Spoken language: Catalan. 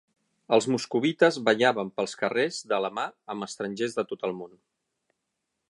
Els moscovites ballaven pels carrers de la mà amb estrangers de tot el món.